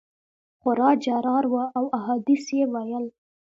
خورا جرار وو او احادیث یې ویل.